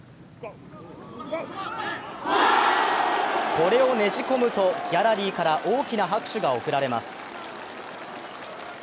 これをねじ込むとギャラリーから大きな拍手が送られます。